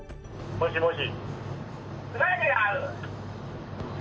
もしもし。